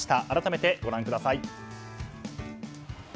改めてご覧ください。